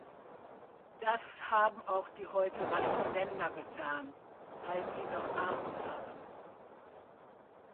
Das haben auch die heute reichen Länder getan, als sie noch arm waren.